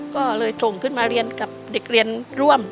ก็เลยส่งขึ้นมาเรียนกับเด็กเรียนร่วม